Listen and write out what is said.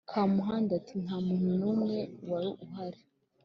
Kamuhanda ati: “Nta muntu n’umwe wari uhari.